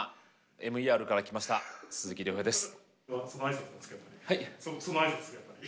ＭＥＲから来ました鈴木亮平です。